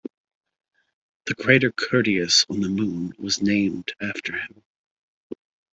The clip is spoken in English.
The crater Curtius on the Moon was named after him.